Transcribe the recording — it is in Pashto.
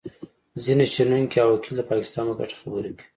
ځینې شنونکي او وکیل د پاکستان په ګټه خبرې کوي